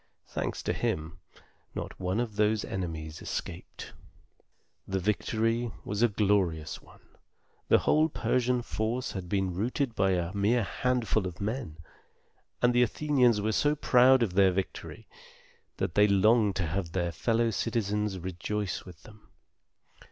Thanks to him, not one of those enemies escaped. The victory was a glorious one. The whole Persian force had been routed by a mere handful of men; and the Athenians were so proud of their victory, that they longed to have their fellow citizens rejoice with them.